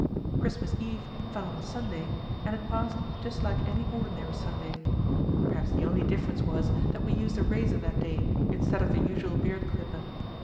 Christmas Eve fell on a Sunday, and it passed just like any ordinary Sunday. Perhaps the only difference was that we used a razor that day instead of the usual beard clipper.